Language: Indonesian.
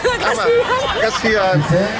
tak apa kasihan